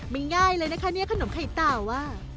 ไม่ง่ายเลยนะคะขนมไข่ตาว